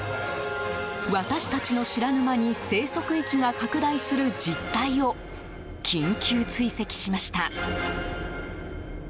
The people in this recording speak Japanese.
私たちの知らぬ間に生息域が拡大する実態を緊急追跡しました。